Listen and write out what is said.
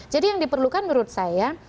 jadi yang diperlukan menurut saya